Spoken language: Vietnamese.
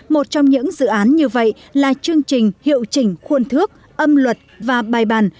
một trong những dự án như vậy là chương trình hiệu chỉnh khuôn thước âm luật và bài bàn